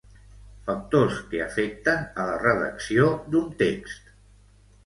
Factors que afecten a la redacció d'un text.